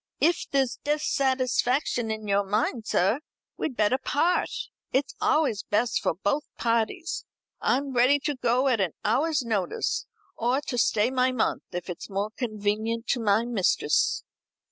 "If there's dissatisfaction in your mind, sir, we'd better part. It's always best for both parties. I'm ready to go at an hour's notice, or to stay my month, if it's more convenient to my mistress."